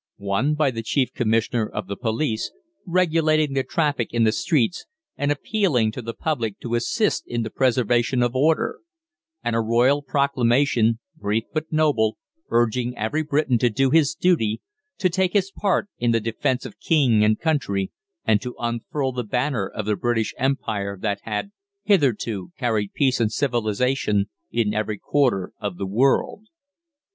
One by the Chief Commissioner of Police, regulating the traffic in the streets, and appealing to the public to assist in the preservation of order; and a Royal Proclamation, brief but noble, urging every Briton to do his duty, to take his part in the defence of King and country, and to unfurl the banner of the British Empire that had hitherto carried peace and civilisation in every quarter of the world.